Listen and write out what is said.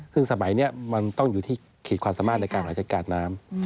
ซึ่งสมัยนี้มันต้องอยู่ที่ขีดความสามารถในการบริหารจัดการน้ำ